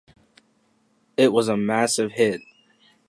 It was a massive hit.